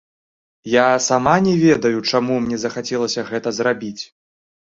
Я сама не ведаю, чаму мне захацелася гэта зрабіць.